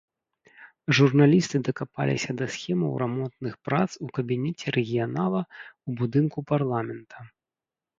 Журналісты дакапаліся да схемаў рамонтных прац ў кабінеце рэгіянала ў будынку парламента.